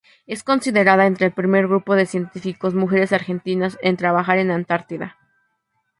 Es considerada entre el primer grupo de científicos mujeres argentinas en trabajar en Antártida.